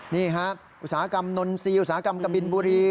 นี่ฮะอุตสาหกรรมนอนซีอุตสาหกรรมกบินบุรี